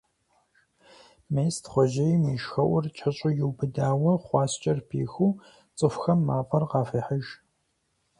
Мес Тхъуэжьейм и шхуэӀур кӀэщӀу иубыдауэ, хъуаскӀэр пихыу, цӀыхухэм мафӀэр къахуехьыж.